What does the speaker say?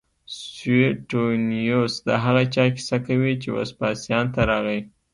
سویټونیوس د هغه چا کیسه کوي چې وسپاسیان ته راغی